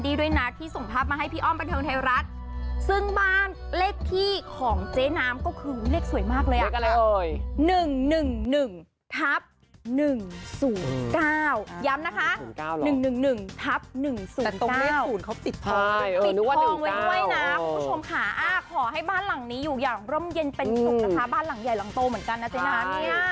๑๑ทับ๑๐๙ย้ำนะคะ๑๑๑ทับ๑๐๙ตรงนี้ศูนย์เขาติดทองไว้ด้วยนะคุณผู้ชมค่ะขอให้บ้านหลังนี้อยู่อย่างร่มเย็นเป็นศุกร์นะคะบ้านหลังใหญ่หลังโตเหมือนกันนะเจ๊น้า